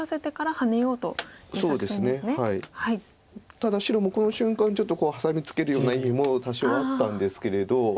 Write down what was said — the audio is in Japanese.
ただ白もこの瞬間ちょっとハサミツケるような意味も多少あったんですけれど。